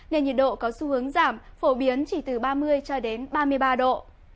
nên nhiệt độ có xu hướng giảm phổ biến chỉ từ ba mươi ba mươi ba độ